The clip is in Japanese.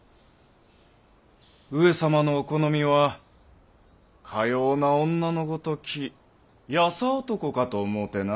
上様のお好みはかような女のごとき優男かと思ってな。